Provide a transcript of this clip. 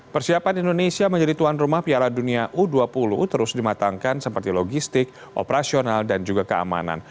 persiapan indonesia menjadi tuan rumah piala dunia u dua puluh terus dimatangkan seperti logistik operasional dan juga keamanan